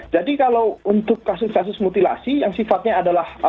jadi kalau untuk kasus kasus mutilasi yang sifatnya adalah